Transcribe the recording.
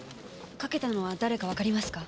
かけたのは誰かわかりますか？